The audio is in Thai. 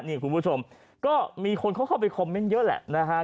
นี่คุณผู้ชมก็มีคนเขาเข้าไปคอมเมนต์เยอะแหละนะฮะ